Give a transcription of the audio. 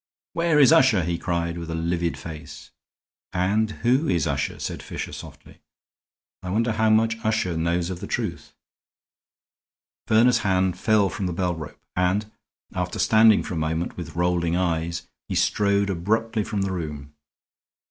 "Where is Usher?" he cried, with a livid face. "And who is Usher?" said Fisher, softly. "I wonder how much Usher knows of the truth." Verner's hand fell from the bell rope and, after standing for a moment with rolling eyes, he strode abruptly from the room.